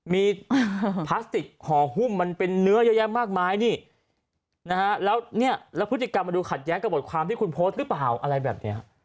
มีพลาสติกห่อหุ้มมันเป็นเนื้อเยอะแยะมากมายนี่นะฮะแล้วเนี่ยแล้วพฤติกรรมมันดูขัดแย้งกับบทความที่คุณโพสต์หรือเปล่าอะไรแบบนี้